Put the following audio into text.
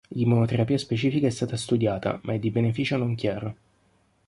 L'immunoterapia specifica è stata studiata, ma è di beneficio non chiaro.